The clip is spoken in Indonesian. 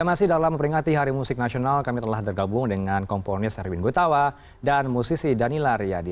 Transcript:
masih dalam memperingati hari musik nasional kami telah tergabung dengan komponis erwin gutawa dan musisi danila riyadi